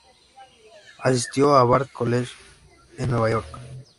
Asistió a Bard College, en Nueva York.